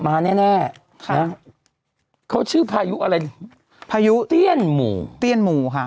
มาแน่แน่ค่ะนะเขาชื่อพายุอะไรพายุเตี้ยนหมู่เตี้ยนหมู่ค่ะ